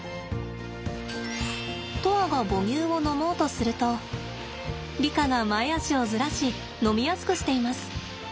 砥愛が母乳を飲もうとするとリカが前肢をずらし飲みやすくしています。